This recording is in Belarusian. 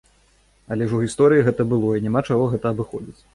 Але ж у гісторыі гэта было, і няма чаго гэта абыходзіць.